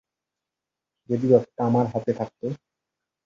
যদি ব্যাপারটা আমার হাতে থাকতো।